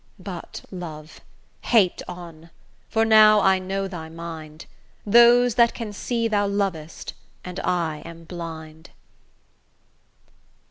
But, love, hate on, for now I know thy mind; Those that can see thou lov'st, and I am blind.